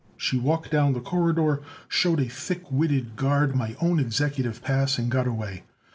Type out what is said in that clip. She walked down the corridor, showed a thick witted guard my own executive pass, and got away.